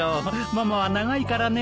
ママは長いからね。